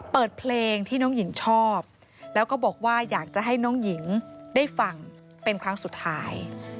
เปิดเพลงที่น้องหญิงชอบแล้วก็บอกว่าอยากจะให้น้องหญิงได้ฟังเป็นครั้งสุดท้าย